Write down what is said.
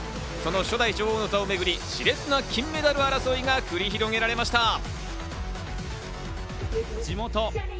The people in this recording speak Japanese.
その初代女王の座をめぐり熾烈な金メダル争いが繰り広げられました。